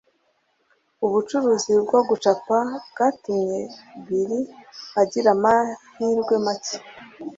ubucuruzi bwo gucapa bwatumye bili agira amahirwe make.